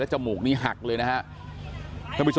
แม่ขี้หมาเนี่ยเธอดีเนี่ยเธอดีเนี่ยเธอดีเนี่ย